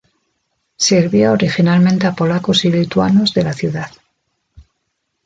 Sirvió originalmente a polacos y lituanos de la ciudad.